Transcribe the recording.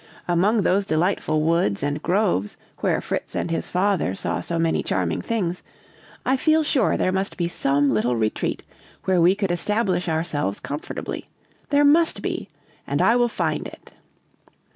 Among those delightful woods and groves where Fritz and his father saw so many charming things, I feel sure there must be some little retreat where we could establish ourselves comfortably; there must be, and I will find it.'